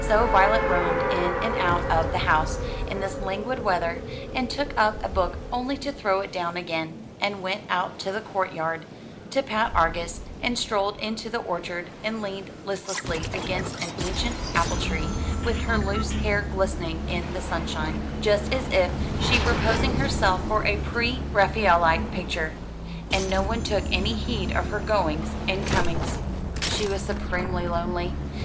So Violet roamed in and out of the house, in this languid weather, and took up a book only to throw it down again, and went out to the court yard to pat Argus, and strolled into the orchard and leaned listlessly against an ancient apple tree, with her loose hair glistening in the sunshine just as if she were posing herself for a pre Raphaelite picture and no one took any heed of her goings and comings. She was supremely lonely.